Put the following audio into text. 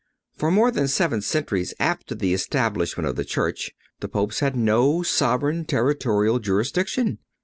For more than seven centuries after the establishment of the Church the Popes had no sovereign territorial jurisdiction.